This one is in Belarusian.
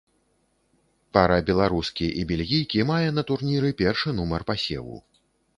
Пара беларускі і бельгійкі мае на турніры першы нумар пасеву.